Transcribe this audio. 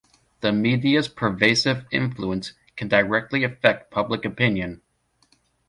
The media's pervasive influence can directly affect public opinion.